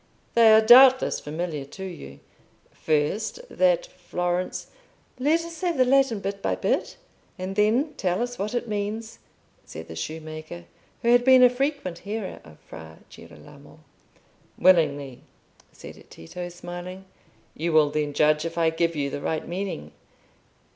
They are doubtless familiar to you. First, that Florence—" "Let us have the Latin bit by bit, and then tell us what it means," said the shoemaker, who had been a frequent hearer of Fra Girolamo. "Willingly," said Tito, smiling. "You will then judge if I give you the right meaning."